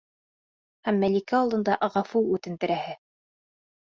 Һәм Мәликә алдында ғәфү үтендерәһе!